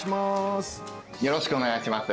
よろしくお願いします